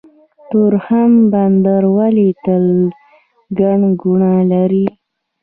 تورخم بندر ولې تل ګڼه ګوڼه لري؟